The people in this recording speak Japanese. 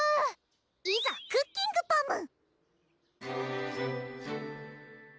いざクッキングパム！